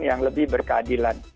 yang lebih berkeadilan